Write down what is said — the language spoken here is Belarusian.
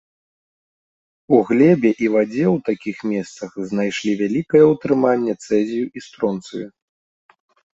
У глебе і вадзе ў такіх месцах знайшлі вялікае ўтрыманне цэзію і стронцыю.